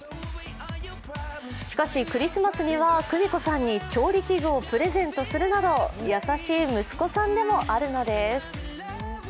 しかしクリスマスには久美子さんに調理器具をプレゼントするなど優しい息子さんでもあるのです。